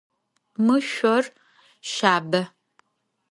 Mı şsor şsabe.